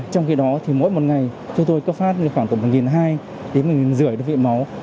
trong khi đó thì mỗi một ngày chúng tôi có phát khoảng một hai trăm linh một năm trăm linh đơn vị máu